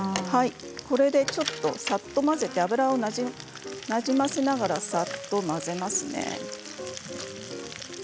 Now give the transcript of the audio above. これで、さっと混ぜて油をなじませながらさっと混ぜます。